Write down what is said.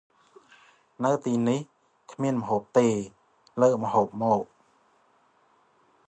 នៅទីនេះ គ្មានម្ហូបទេ លើកម្ហូបមោ ។